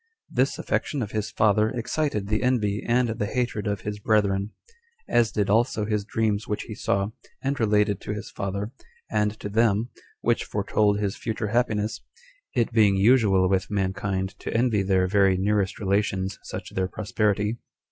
This affection of his father excited the envy and the hatred of his brethren; as did also his dreams which he saw, and related to his father, and to them, which foretold his future happiness, it being usual with mankind to envy their very nearest relations such their prosperity.